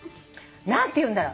何ていうんだろう